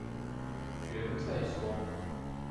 絕不退縮